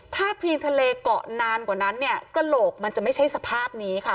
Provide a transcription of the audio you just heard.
ถ้าเพียงทะเลเกาะนานกว่านั้นเนี่ยกระโหลกมันจะไม่ใช่สภาพนี้ค่ะ